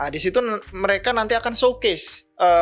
disitu mereka nanti akan showcase